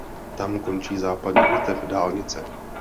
Tam končí západní větev dálnice.